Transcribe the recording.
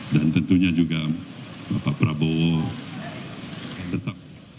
dan tentunya juga bapak prabowo